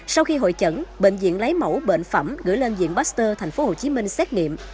sau khi hội chẩn bệnh viện lấy mẫu bệnh phẩm gửi lên viện baxter tp hcm xét nghiệm